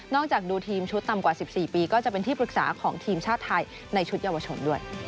จากดูทีมชุดต่ำกว่า๑๔ปีก็จะเป็นที่ปรึกษาของทีมชาติไทยในชุดเยาวชนด้วย